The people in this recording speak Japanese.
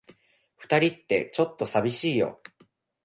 二人って、ちょっと寂しいよ。